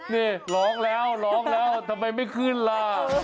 นี่ร้องแล้วทำไมไม่ขึ้นล่ะ